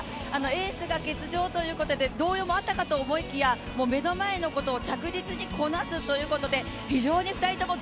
エースが欠場ということで動揺があったと思いますが目の前のことを着実にこなすということで非常に２人とも